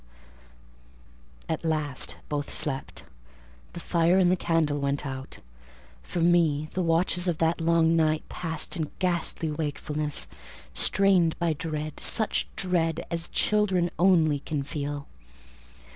At last both slept: the fire and the candle went out. For me, the watches of that long night passed in ghastly wakefulness; ear, eye, and mind were alike strained by dread: such dread as children only can feel.